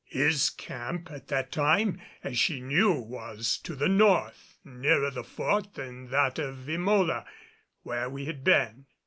His camp at that time, as she knew, was to the north, nearer the Fort than that of Emola, where we had been.